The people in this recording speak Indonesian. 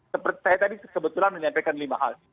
tapi saya tadi sebetulnya menyampaikan lima hal